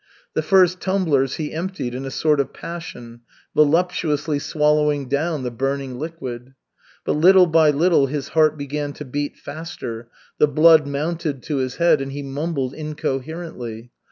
The first tumblers he emptied in a sort of passion, voluptuously swallowing down the burning liquid. But little by little his heart began to beat faster, the blood mounted to his head, and he mumbled incoherently.